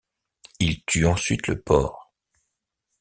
Il tue ensuite le porc.